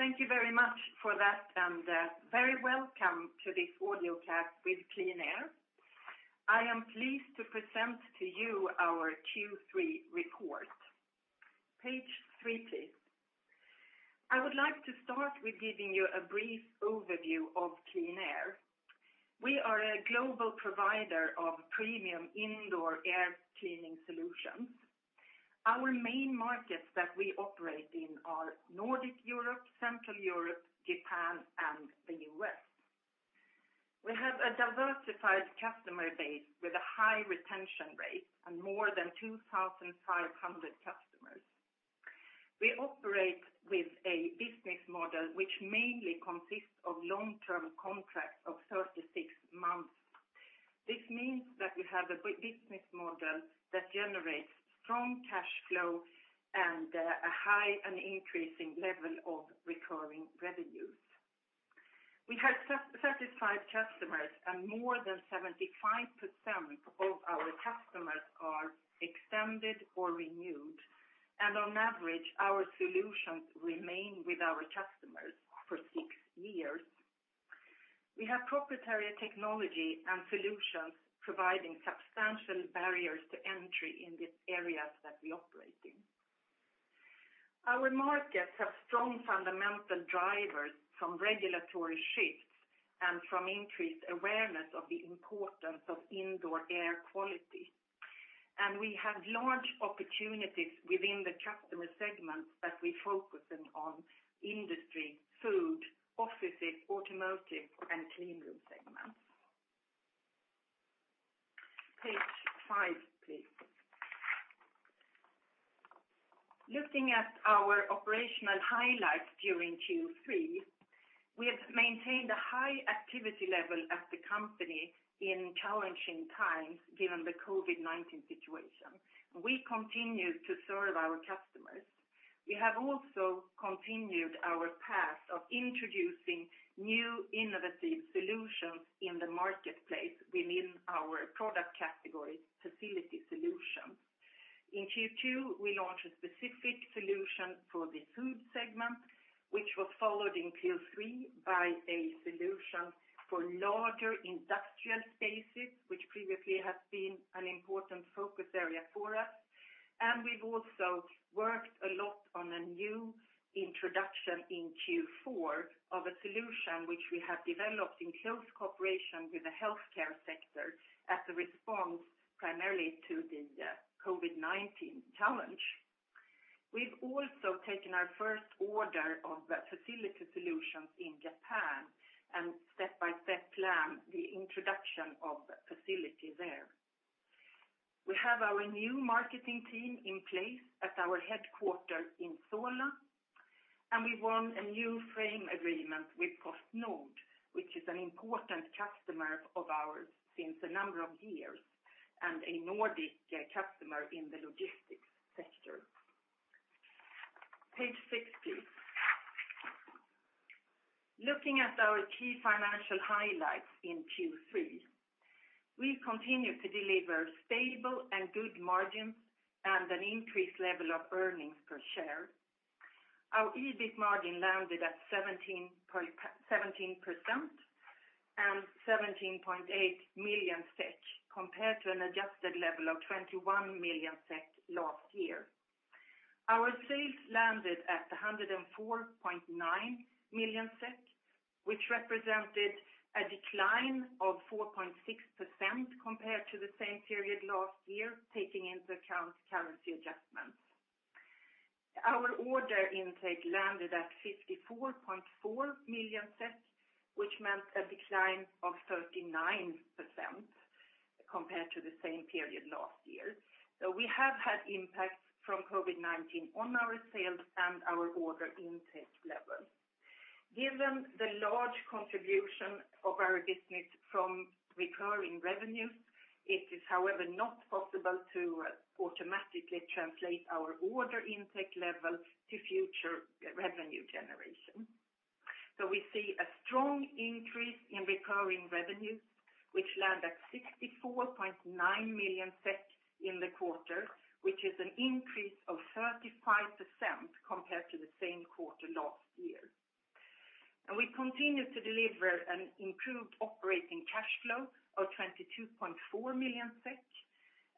Thank you very much for that and very welcome to this audiocast with QleanAir. I am pleased to present to you our Q3 report. Page three, please. I would like to start with giving you a brief overview of QleanAir. We are a global provider of premium indoor air cleaning solutions. Our main markets that we operate in are Nordic Europe, Central Europe, Japan, and the U.S. We have a diversified customer base with a high retention rate and more than 2,500 customers. We operate with a business model which mainly consists of long-term contracts of 36 months. This means that we have a business model that generates strong cash flow and a high and increasing level of recurring revenues. We have satisfied customers and more than 75% of our customers are extended or renewed, and on average, our solutions remain with our customers for six years. We have proprietary technology and solutions providing substantial barriers to entry in these areas that we operate in. Our markets have strong fundamental drivers from regulatory shifts and from increased awareness of the importance of indoor air quality. We have large opportunities within the customer segments that we focus in on industry, food, offices, automotive, and Cleanroom segments. Page five, please. Looking at our operational highlights during Q3, we have maintained a high activity level at the company in challenging times, given the COVID-19 situation. We continue to serve our customers. We have also continued our path of introducing new innovative solutions in the marketplace within our product category, Facility Solutions. In Q2, we launched a specific solution for the food segment, which was followed in Q3 by a solution for larger industrial spaces, which previously has been an important focus area for us. We've also worked a lot on a new introduction in Q4 of a solution which we have developed in close cooperation with the healthcare sector as a response primarily to the COVID-19 challenge. We've also taken our first order of Facility Solutions in Japan and step-by-step plan the introduction of facility there. We have our new marketing team in place at our headquarter in Solna, and we won a new frame agreement with PostNord, which is an important customer of ours since a number of years and a Nordic customer in the logistics sector. Page six, please. Looking at our key financial highlights in Q3, we continue to deliver stable and good margins and an increased level of earnings per share. Our EBIT margin landed at 17% and 17.8 million SEK compared to an adjusted level of 21 million SEK last year. Our sales landed at 104.9 million SEK, which represented a decline of 4.6% compared to the same period last year, taking into account currency adjustments. Our order intake landed at 54.4 million, which meant a decline of 39% compared to the same period last year. We have had impacts from COVID-19 on our sales and our order intake level. Given the large contribution of our business from recurring revenues, it is however, not possible to automatically translate our order intake level to future revenue generation. We see a strong increase in recurring revenues, which land at 64.9 million in the quarter, which is an increase of 35% compared to the same quarter last year. We continue to deliver an improved operating cash flow of 22.4 million SEK,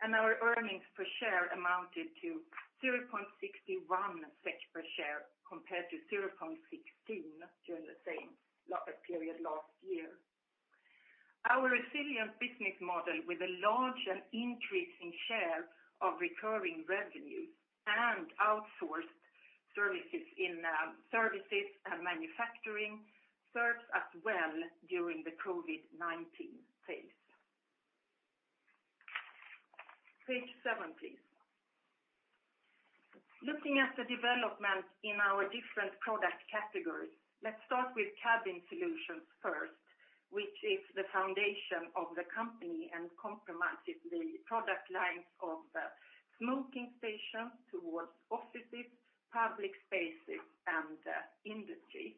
and our earnings per share amounted to 0.61 SEK per share compared to 0.16 during the same period last year. Our resilient business model with a large and increasing share of recurring revenues and outsourced services in services and manufacturing serves us well during the COVID-19 phase. Page seven, please. Looking at the development in our different product categories, let's start with Cabin Solutions first, which is the foundation of the company and comprises the product lines of smoking stations towards offices, public spaces, and industry.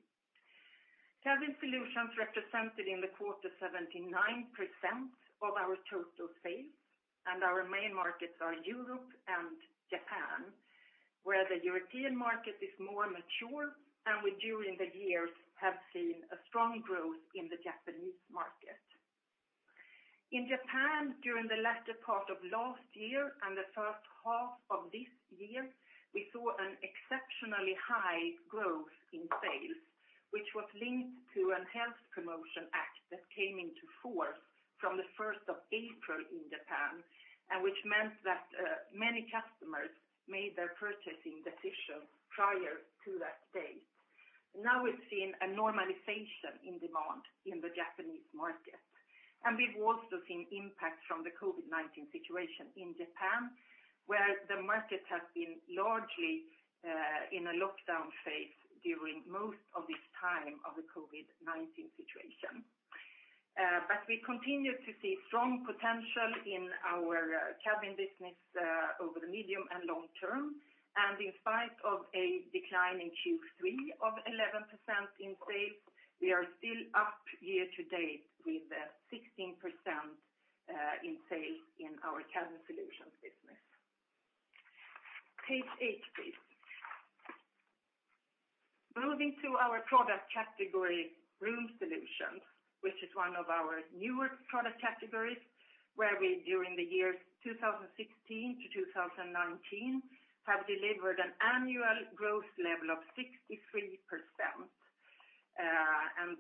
Cabin Solutions represented in the quarter 79% of our total sales, and our main markets are Europe and Japan, where the European market is more mature, and we during the years have seen a strong growth in the Japanese market. In Japan, during the latter part of last year and the first half of this year, we saw an exceptionally high growth in sales, which was linked to a Health Promotion Act that came into force from the 1st of April in Japan, and which meant that many customers made their purchasing decision prior to that date. Now we've seen a normalization in demand in the Japanese market. We've also seen impact from the COVID-19 situation in Japan, where the market has been largely in a lockdown phase during most of this time of the COVID-19 situation. We continue to see strong potential in our cabin business over the medium and long term, and in spite of a decline in Q3 of 11% in sales, we are still up year to date with 16% in sales in our Cabin Solutions business. Page eight, please. Moving to our product category, Room Solutions, which is one of our newer product categories, where we, during the years 2016-2019, have delivered an annual growth level of 63%.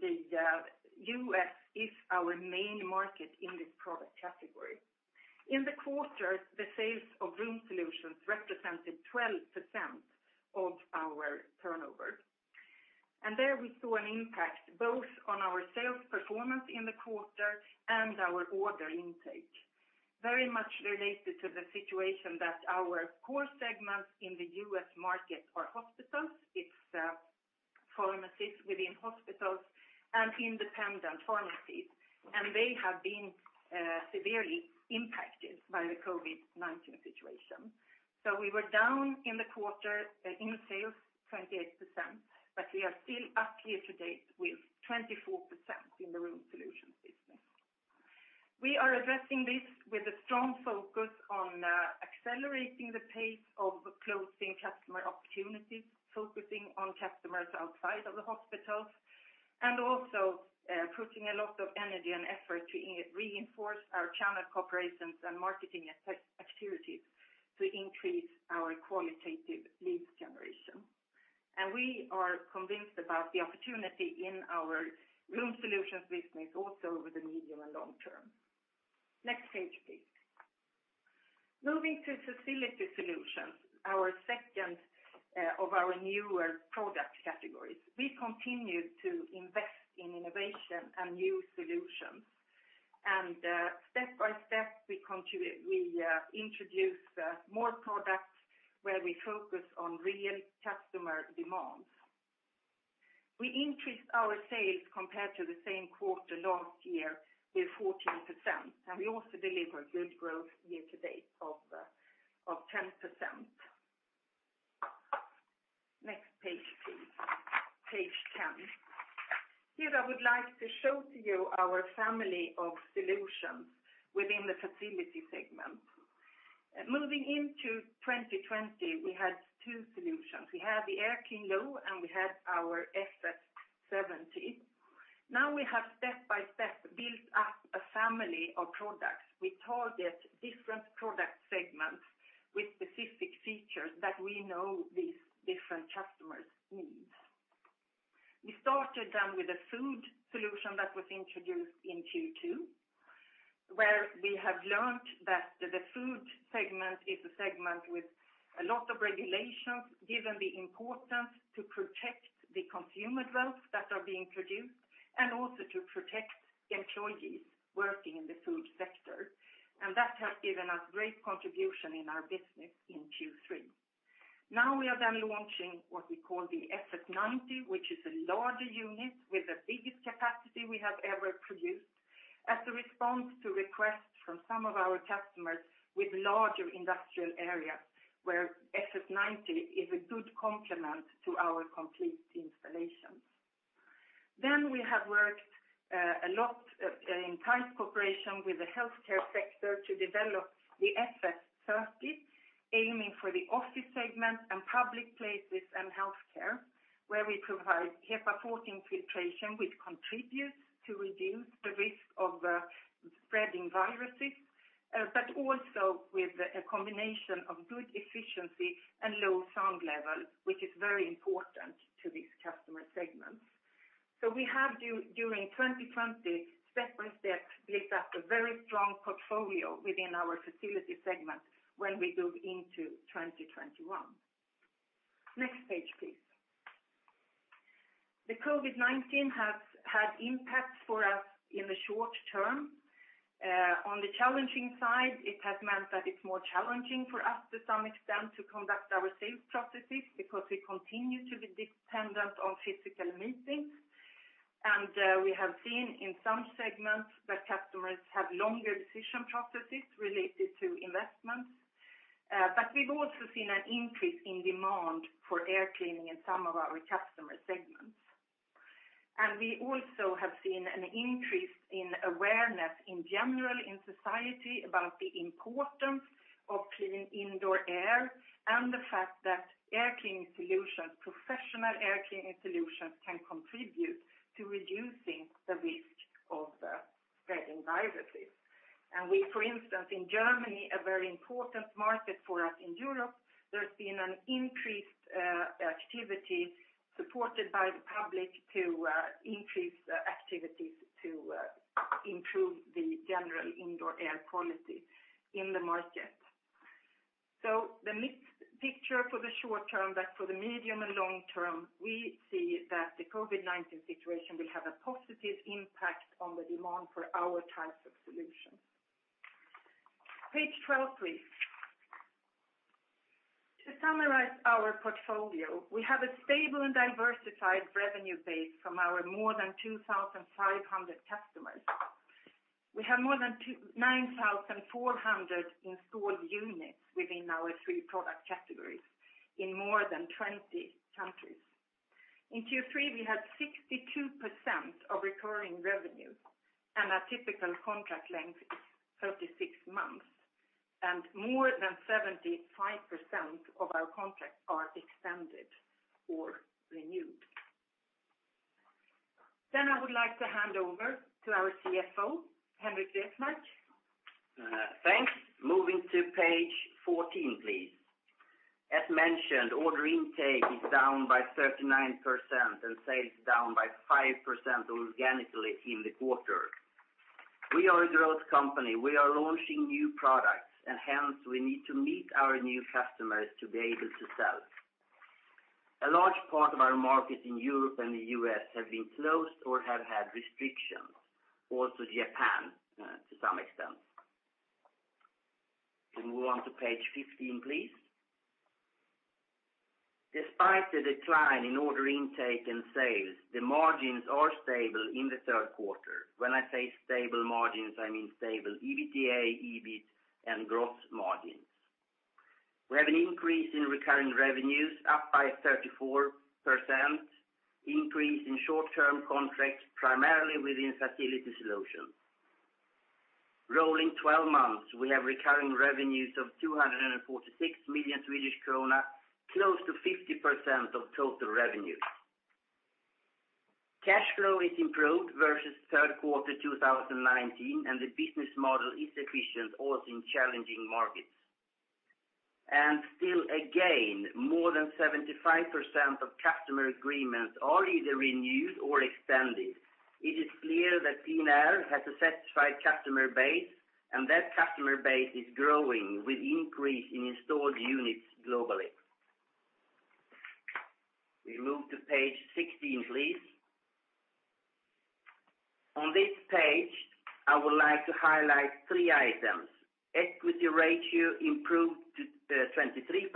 The U.S. is our main market in this product category. In the quarter, the sales of Room Solutions represented 12% of our turnover. There we saw an impact both on our sales performance in the quarter and our order intake, very much related to the situation that our core segments in the U.S. market are hospitals. It's pharmacies within hospitals and independent pharmacies. They have been severely impacted by the COVID-19 situation. We were down in the quarter in sales 28%, but we are still up here to date with 24% in the Room Solutions business. We are addressing this with a strong focus on accelerating the pace of closing customer opportunities, focusing on customers outside of the hospitals, and also putting a lot of energy and effort to reinforce our channel cooperations and marketing activities to increase our qualitative lead generation. We are convinced about the opportunity in our Room Solutions business also over the medium and long term. Next page, please. Moving to Facility Solutions, our second of our newer product categories. We continue to invest in innovation and new solutions. Step by step, we introduce more products where we focus on real customer demands. We increased our sales compared to the same quarter last year with 14%, and we also delivered good growth year to date of 10%. Next page, please. Page 10. Here I would like to show to you our family of solutions within the facility segment. Moving into 2020, we had two solutions. We had the AirQlean Low, and we had our FS 70. We have step by step built up a family of products. We target different product segments with specific features that we know these different customers need. We started with a Food Solution that was introduced in Q2, where we have learned that the food segment is a segment with a lot of regulations, given the importance to protect the consumer goods that are being produced, and also to protect employees working in the food sector. That has given us great contribution in our business in Q3. We are then launching what we call the FS 90, which is a larger unit with the biggest capacity we have ever produced as a response to requests from some of our customers with larger industrial areas where FS 90 is a good complement to our complete installations. We have worked a lot in tight cooperation with the healthcare sector to develop the FS 30, aiming for the office segment and public places and healthcare, where we provide HEPA 14 filtration, which contributes to reduce the risk of spreading viruses, but also with a combination of good efficiency and low sound level, which is very important to these customer segments. We have during 2020, step by step, built up a very strong portfolio within our Facility Solutions segment when we move into 2021. Next page, please. The COVID-19 has had impacts for us in the short term. On the challenging side, it has meant that it's more challenging for us to some extent to conduct our sales processes because we continue to be dependent on physical meetings. We have seen in some segments that customers have longer decision processes related to investments. We've also seen an increase in demand for air cleaning in some of our customer segments. We also have seen an increase in awareness in general in society about the importance of clean indoor air, and the fact that professional air cleaning solutions can contribute to reducing the risk of the spreading viruses. We, for instance, in Germany, a very important market for us in Europe, there's been an increased activity supported by the public to increase activities to improve the general indoor air quality in the market. The mixed picture for the short term, but for the medium and long term, we see that the COVID-19 situation will have a positive impact on the demand for our types of solutions. Page 12, please. To summarize our portfolio, we have a stable and diversified revenue base from our more than 2,500 customers. We have more than 9,400 installed units within our three product categories in more than 20 countries. In Q3, we had 62% of recurring revenue and a typical contract length is 36 months, and more than 75% of our contracts are extended or renewed. I would like to hand over to our CFO, Henrik Resmark. Thanks. Moving to page 14, please. As mentioned, order intake is down by 39% and sales down by 5% organically in the quarter. We are a growth company. We are launching new products and hence we need to meet our new customers to be able to sell. A large part of our markets in Europe and the U.S. have been closed or have had restrictions. Also Japan, to some extent. We move on to page 15, please. Despite the decline in order intake and sales, the margins are stable in the third quarter. When I say stable margins, I mean stable EBITDA, EBIT, and gross margins. We have an increase in recurring revenues, up by 34%, increase in short-term contracts, primarily within Facility Solutions. Rolling 12 months, we have recurring revenues of 246 million Swedish krona, close to 50% of total revenues. Cash flow is improved versus third quarter 2019, and the business model is efficient also in challenging markets. Still again, more than 75% of customer agreements are either renewed or extended. It is clear that QleanAir has a satisfied customer base, and that customer base is growing with increase in installed units globally. We move to page 16, please. On this page, I would like to highlight three items. Equity ratio improved to 23%,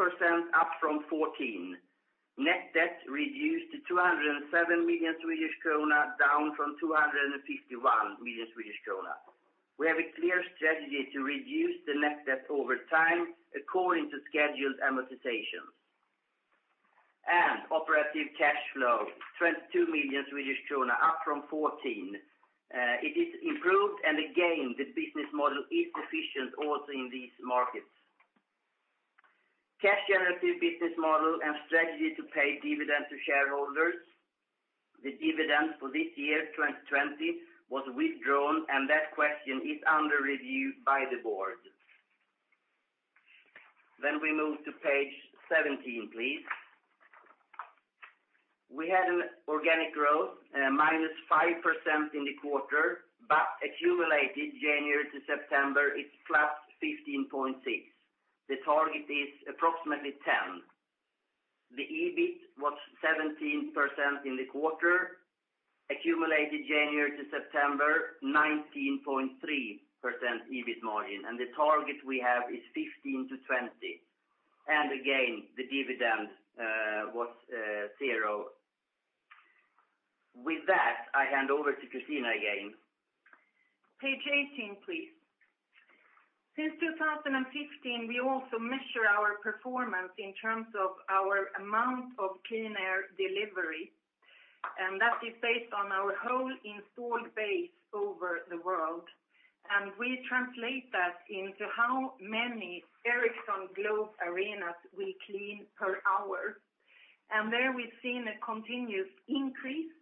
up from 14. Net debt reduced to 207 million Swedish krona, down from 251 million Swedish krona. We have a clear strategy to reduce the net debt over time according to scheduled amortizations. Operative cash flow, 22 million Swedish krona, up from 14. It is improved, and again, the business model is efficient also in these markets. Cash generative business model and strategy to pay dividends to shareholders. The dividend for this year, 2020, was withdrawn and that question is under review by the board. We move to page 17, please. We had an organic growth, -5% in the quarter. Accumulated January to September, it's +15.6%. The target is approximately 10%. The EBIT was 17% in the quarter. Accumulated January to September, 19.3% EBIT margin, the target we have is 15%-20%. Again, the dividend was zero. With that, I hand over to Christina again. Page 18, please. Since 2015, we also measure our performance in terms of our amount of Clean Air Delivery. That is based on our whole installed base over the world. We translate that into how many Ericsson Globe Arenas we clean per hour. There we've seen a continuous increase,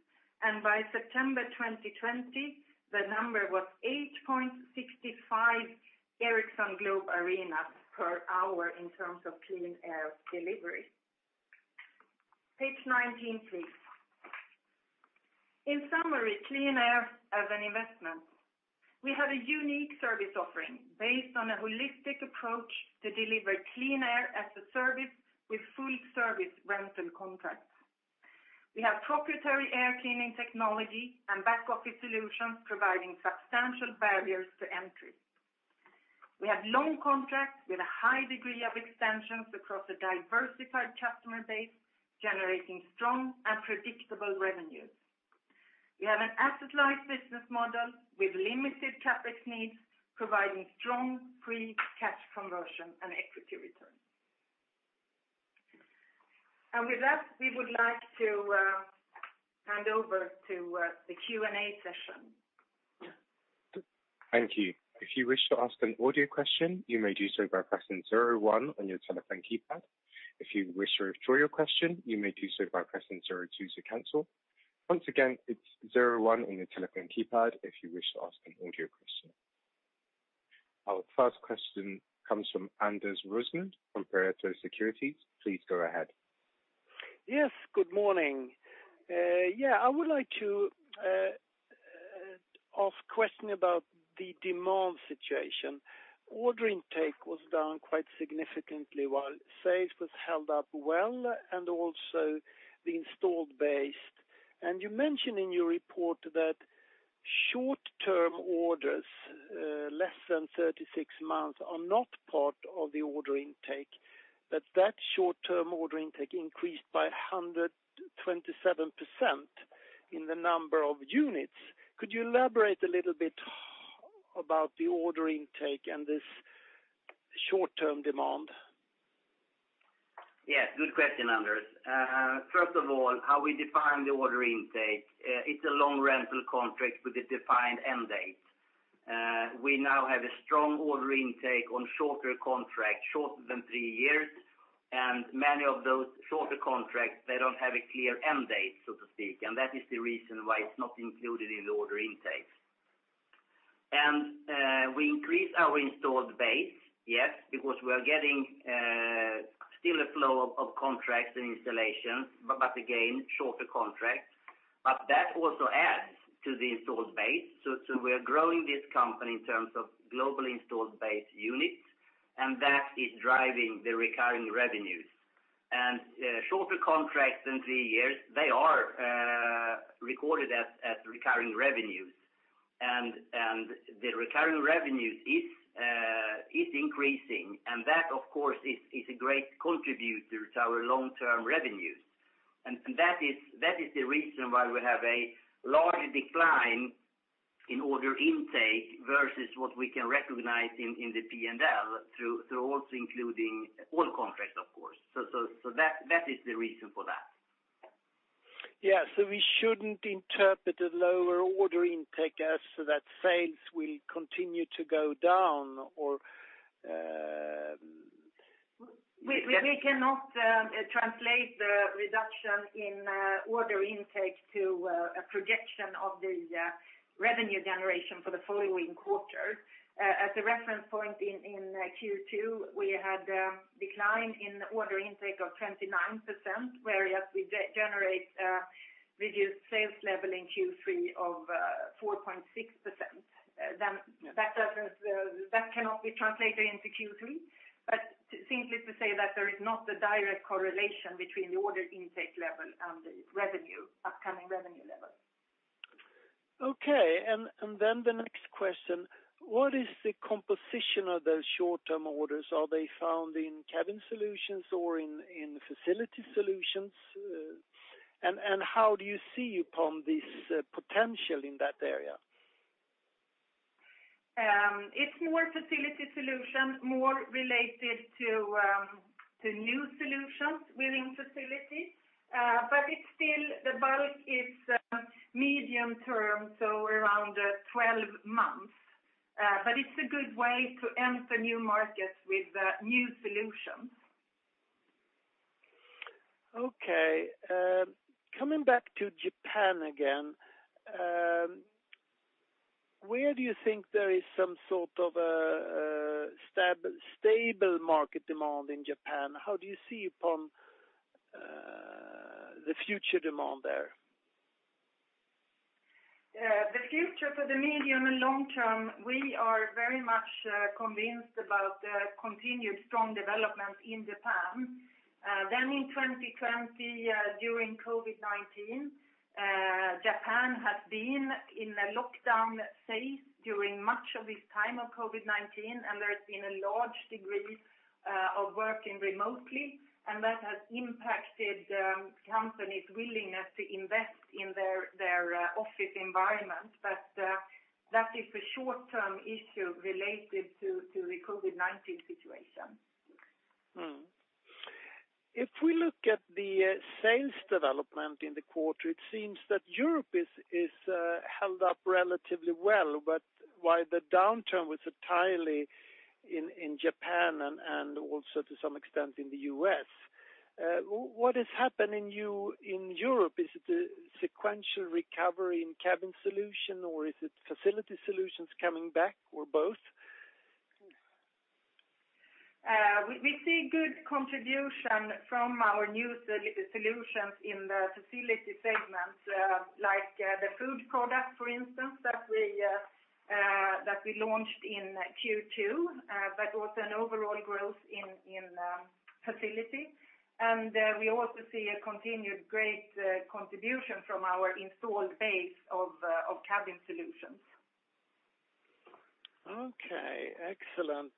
and by September 2020, the number was 8.65 Ericsson Globe Arenas per hour in terms of clean air delivery. Page 19, please. In summary, QleanAir as an investment. We have a unique service offering based on a holistic approach to deliver clean air as a service with full-service rental contracts. We have proprietary air cleaning technology and back-office solutions providing substantial barriers to entry. We have long contracts with a high degree of extensions across a diversified customer base, generating strong and predictable revenues. We have an asset-light business model with limited CapEx needs, providing strong free cash conversion and equity returns. With that, we would like to hand over to the Q&A session. Thank you. If you wish to ask an audio question, you may do so by pressing zero one on your telephone keypad. If you wish to withdraw your question, you may do so by pressing zero two to cancel. Once again, it's zero one on your telephone keypad if you wish to ask an audio question. Our first question comes from Anders Roslund from Pareto Securities. Please go ahead. Yes, good morning. I would like to ask question about the demand situation. Order intake was down quite significantly while sales was held up well, and also the installed base. You mentioned in your report that short-term orders, less than 36 months, are not part of the order intake, but that short-term order intake increased by 127% in the number of units. Could you elaborate a little bit about the order intake and this short-term demand? Yes, good question, Anders. First of all, how we define the order intake. It's a long rental contract with a defined end date. We now have a strong order intake on shorter contracts, shorter than three years. Many of those shorter contracts, they don't have a clear end date, so to speak. That is the reason why it's not included in the order intake. We increase our installed base, yes, because we are getting still a flow of contracts and installations, but again, shorter contracts. That also adds to the installed base. We are growing this company in terms of global installed base units, and that is driving the recurring revenues. Shorter contracts than three years, they are recorded as recurring revenues. The recurring revenues is increasing, and that of course, is a great contributor to our long-term revenues. That is the reason why we have a large decline in order intake versus what we can recognize in the P&L through also including all contracts, of course. That is the reason for that. Yeah. We shouldn't interpret a lower order intake as that sales will continue to go down. We cannot translate the reduction in order intake to a projection of the revenue generation for the following quarters. As a reference point in Q2, we had a decline in order intake of 29%, whereas we generate a reduced sales level in Q3 of 4.6%. That cannot be translated into Q3. Simply to say that there is not a direct correlation between the order intake level and the upcoming revenue level. Okay. The next question, what is the composition of those short-term orders? Are they found in Cabin Solutions or in Facility Solutions? How do you see upon this potential in that area? It's more Facility Solutions, more related to new solutions within facilities. The bulk is medium term, so around 12 months. It's a good way to enter new markets with new solutions. Okay. Coming back to Japan again, where do you think there is some sort of a stable market demand in Japan? How do you see upon the future demand there? The future for the medium and long term, we are very much convinced about the continued strong development in Japan. In 2020, during COVID-19, Japan had been in a lockdown phase during much of this time of COVID-19, and there's been a large degree of working remotely, and that has impacted companies' willingness to invest in their office environment. That is a short-term issue related to the COVID-19 situation. If we look at the sales development in the quarter, it seems that Europe is held up relatively well. While the downturn was entirely in Japan and also to some extent in the U.S., what has happened in Europe? Is it a sequential recovery in Cabin Solutions, or is it Facility Solutions coming back, or both? We see good contribution from our new solutions in the Facility segment, like the food product, for instance, that we launched in Q2, but also an overall growth in Facility. We also see a continued great contribution from our installed base of Cabin Solutions. Okay, excellent.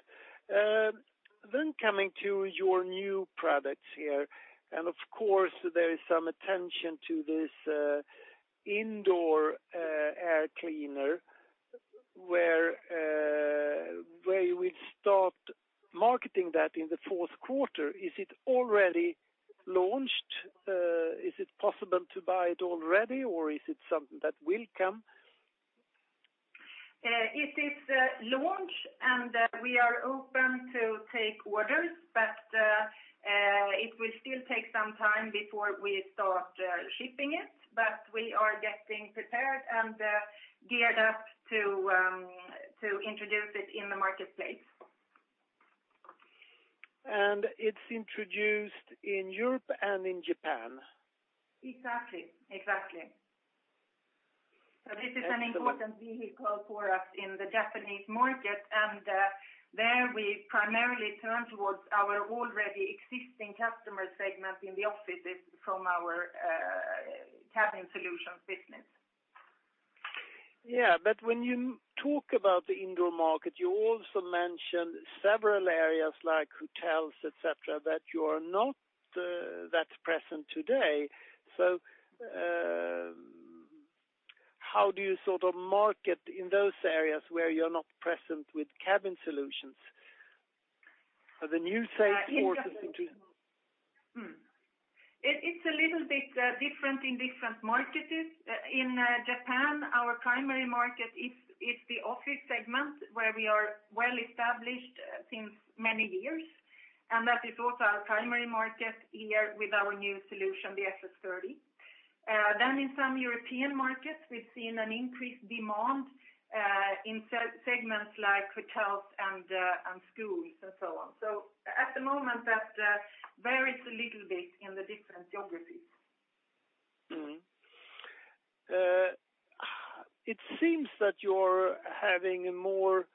Coming to your new products here, and of course, there is some attention to this indoor air cleaner, where we start marketing that in the fourth quarter. Is it already launched? Is it possible to buy it already, or is it something that will come? It is launched, and we are open to take orders, but it will still take some time before we start shipping it. We are getting prepared and geared up to introduce it in the marketplace. It's introduced in Europe and in Japan? Exactly. This is an important vehicle for us in the Japanese market, and there we primarily turn towards our already existing customer segment in the offices from our Cabin Solutions business. Yeah, when you talk about the indoor market, you also mention several areas like hotels, et cetera, that you are not that present today. How do you market in those areas where you're not present with Cabin Solutions? Are the new sales forces introduced? It's a little bit different in different markets. In Japan, our primary market is the office segment, where we are well-established since many years, and that is also our primary market here with our new solution, the FS 30. In some European markets, we've seen an increased demand in segments like hotels and schools and so on. At the moment, that varies a little bit in the different geographies. It seems that you're having a more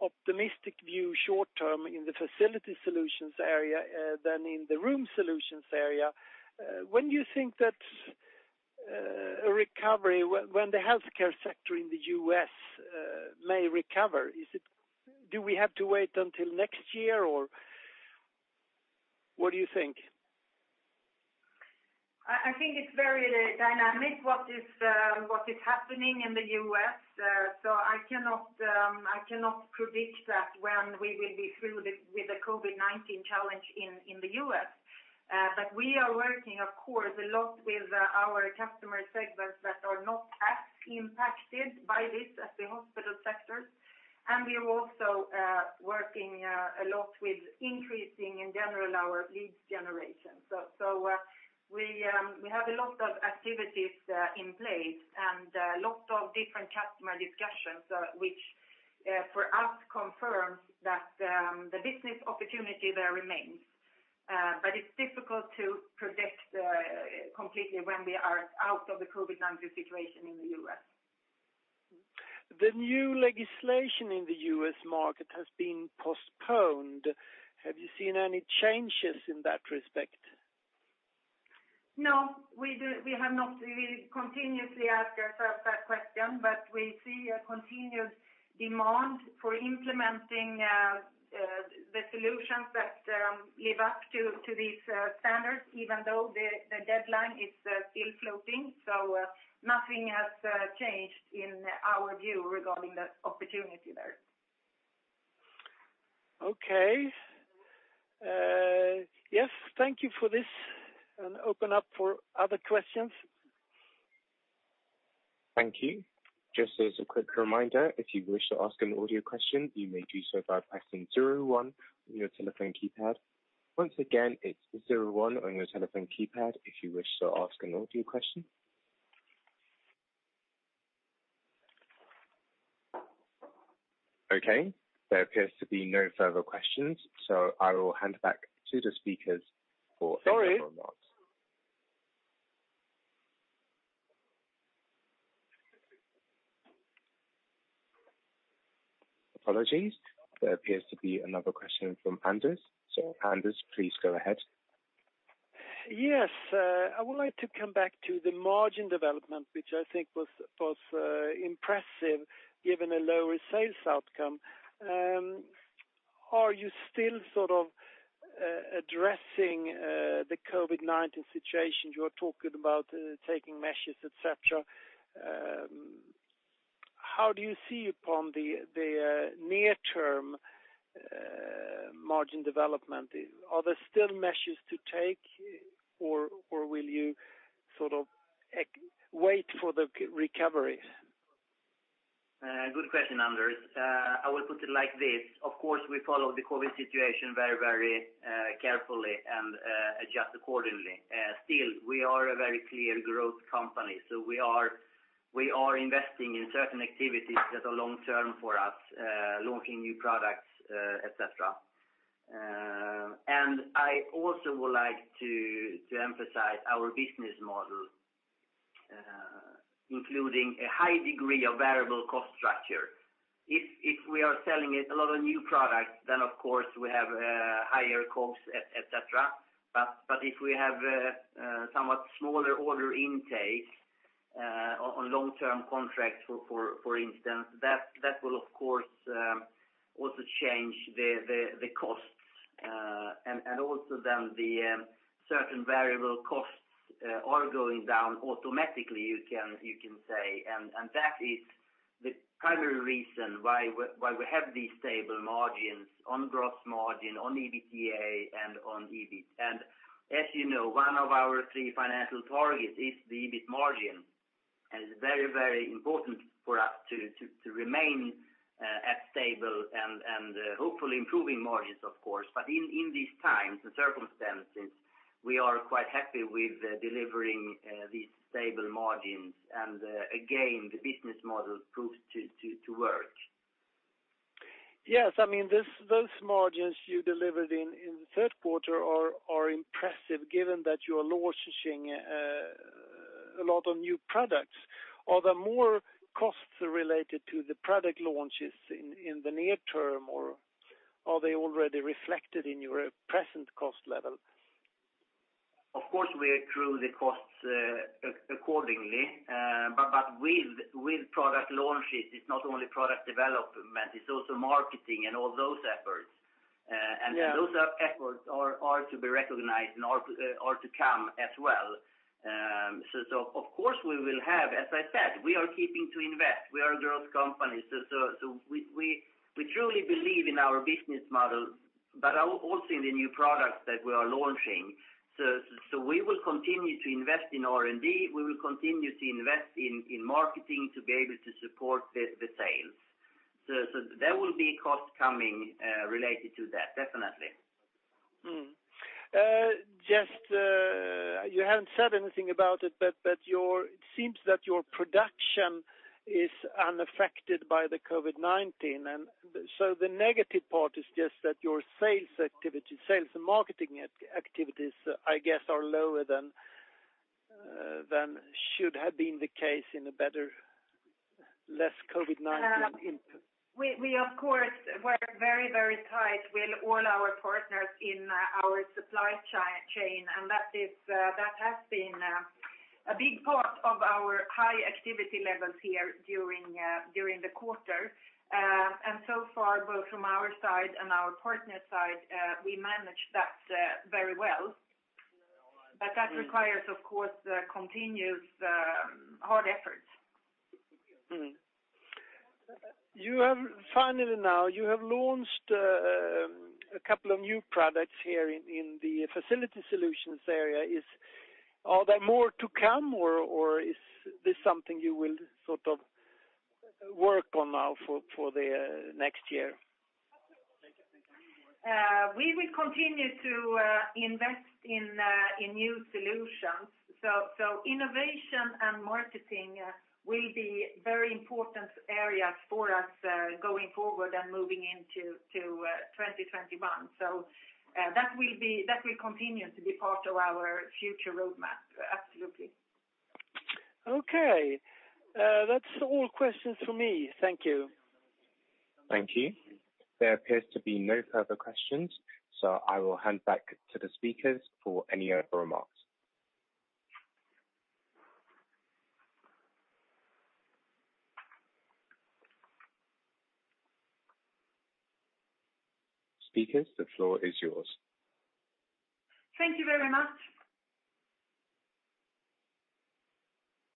optimistic view short term in the Facility Solutions area than in the Room Solutions area. When do you think that the healthcare sector in the U.S. may recover? Do we have to wait until next year, or what do you think? I think it's very dynamic what is happening in the U.S. I cannot predict when we will be through with the COVID-19 challenge in the U.S. We are working, of course, a lot with our customer segments that are not as impacted by this as the hospital sectors. We are also working a lot with increasing, in general, our leads generation. We have a lot of activities in place and lots of different customer discussions, which for us confirms that the business opportunity there remains. It's difficult to predict completely when we are out of the COVID-19 situation in the U.S. The new legislation in the U.S. market has been postponed. Have you seen any changes in that respect? No, we have not. We continuously ask ourselves that question, but we see a continued demand for implementing the solutions that live up to these standards, even though the deadline is still floating. Nothing has changed in our view regarding the opportunity there. Okay. Yes, thank you for this. Open up for other questions. Thank you. Just as a quick reminder, if you wish to ask an audio question, you may do so by pressing zero one on your telephone keypad. Once again, it's zero one on your telephone keypad if you wish to ask an audio question. Okay, there appears to be no further questions. I will hand back to the speakers for any final remarks. Sorry. Apologies. There appears to be another question from Anders. Anders, please go ahead. Yes, I would like to come back to the margin development, which I think was impressive given a lower sales outcome. Are you still addressing the COVID-19 situation? You are talking about taking measures, et cetera. How do you see upon the near-term margin development? Are there still measures to take or will you wait for the recovery? Good question, Anders. I will put it like this. Of course, we follow the COVID-19 situation very carefully and adjust accordingly. Still, we are a very clear growth company, so we are investing in certain activities that are long-term for us, launching new products, et cetera. I also would like to emphasize our business model including a high degree of variable cost structure. If we are selling a lot of new products, then of course we have higher costs, et cetera. If we have somewhat smaller order intake on long-term contracts, for instance, that will, of course, also change the costs. Also then the certain variable costs are going down automatically, you can say. That is the primary reason why we have these stable margins on gross margin, on EBITDA, and on EBIT. As you know, one of our three financial targets is the EBIT margin. It's very important for us to remain stable and hopefully improving margins, of course. In these times and circumstances, we are quite happy with delivering these stable margins, and again, the business model proves to work. Yes. Those margins you delivered in the third quarter are impressive given that you are launching a lot of new products. Are there more costs related to the product launches in the near term, or are they already reflected in your present cost level? Of course, we accrue the costs accordingly. With product launches, it's not only product development, it's also marketing and all those efforts. Yeah. Those efforts are to be recognized and are to come as well. As I said, we are keeping to invest. We are a growth company, so we truly believe in our business model, but also in the new products that we are launching. We will continue to invest in R&D, we will continue to invest in marketing to be able to support the sales. There will be costs coming related to that, definitely. You haven't said anything about it. It seems that your production is unaffected by the COVID-19. The negative part is just that your sales and marketing activities, I guess, are lower than should have been the case in a better, less COVID-19 impact. We, of course, work very tight with all our partners in our supply chain, and that has been a big part of our high activity levels here during the quarter. So far, both from our side and our partner side, we managed that very well. That requires, of course, continuous hard efforts. Finally now, you have launched a couple of new products here in the Facility Solutions area. Are there more to come, or is this something you will work on now for the next year? We will continue to invest in new solutions. Innovation and marketing will be very important areas for us going forward and moving into 2021. That will continue to be part of our future roadmap. Absolutely. Okay. That's all questions from me. Thank you. Thank you. There appears to be no further questions. I will hand back to the speakers for any other remarks. Speakers, the floor is yours. Thank you very much.